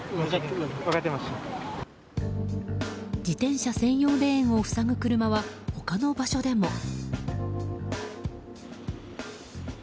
自転車専用レーンを塞ぐ車は他の場所でも。